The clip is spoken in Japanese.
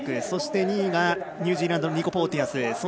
そして２位がニュージーランドのニコ・ポーティアス。